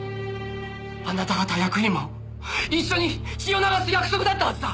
あなた方役員も一緒に血を流す約束だったはずだ！